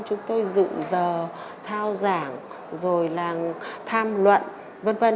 chúng tôi dựng giờ thao giảng rồi là tham luận v v